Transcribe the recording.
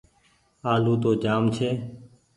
آلو تو جآم ڇي۔